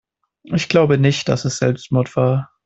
Ich glaube nicht, dass es Selbstmord war.